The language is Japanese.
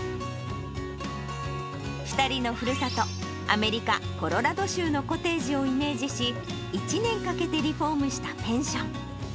２人のふるさと、アメリカ・コロラド州のコテージをイメージし、１年かけてリフォームしたペンション。